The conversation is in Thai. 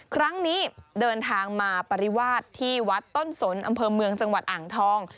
ครั้งนี้เดินทางมาปริวาสที่วัดต้นสนอำเภอเมืองจังหวัดอ่างทอง